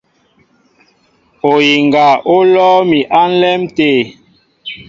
Oyiŋga ó lɔ́ɔ́ mi á ǹlɛ́m tê.